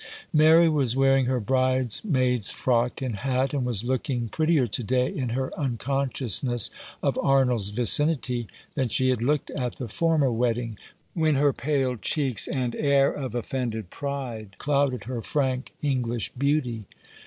Mary was wearing her bridesmaid's frock and hat, and was looking prettier to day in her unconsciousness of Arnold's vicinity than she had looked at the former wedding, when her pale cheeks and air of offended pride clouded her frank English beauty.